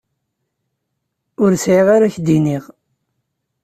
Ur sɛiɣ ara k-d-iniɣ.